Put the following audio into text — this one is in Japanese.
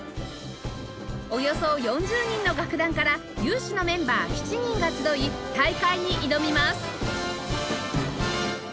およそ４０人の楽団から有志のメンバー７人が集い大会に挑みます